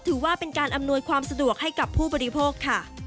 ถือว่าเป็นการอำนวยความสะดวกให้กับผู้บริโภคค่ะ